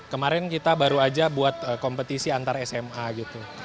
kemarin kita baru aja buat kompetisi antar sma gitu